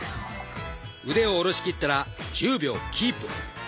腕を下ろしきったら１０秒キープ。